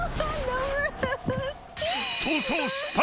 ［逃走失敗］